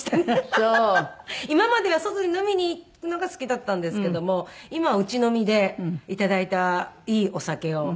今までは外に飲みに行くのが好きだったんですけども今は家飲みでいただいたいいお酒を。